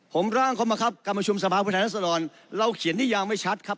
ผมร่างเข้ามาครับกรรมชมสภาพุทธนักสนรเราเขียนที่ยังไม่ชัดครับ